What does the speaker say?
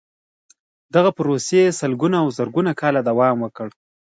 دغې پروسې سلګونه او زرګونه کاله دوام وکړ.